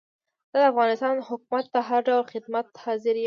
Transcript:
زه د افغانستان حکومت ته هر ډول خدمت ته حاضر یم.